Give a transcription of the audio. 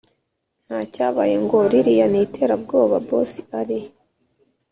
ntacyabaye ngo ririya ni iterabwoba boss ari